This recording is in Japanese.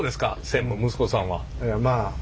専務息子さんは。